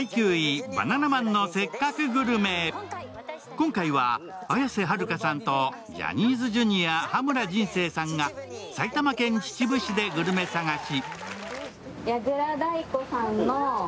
今回は綾瀬はるかさんとジャニーズＪｒ．・羽村仁成さんが埼玉県秩父市でグルメ探し。